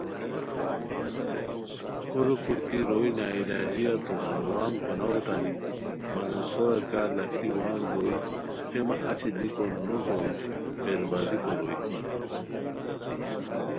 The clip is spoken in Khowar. کوریکو کی روئے ناعلاجیا تو سار وام گاناؤ اوتانی مگم سورا کیاغ لاکھی وام دوئے ٹیمہ اچی دیکو کی نو ہوئے بربادی کوروئے